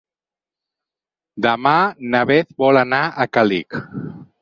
Demà na Beth vol anar a Càlig.